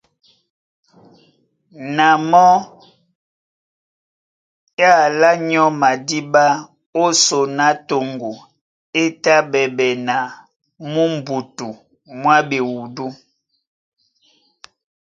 Na mɔ́ é alá nyɔ́ madíɓá ó son á toŋgo é tá ɓɛɓɛ na mú mbutu mwá ɓewudú.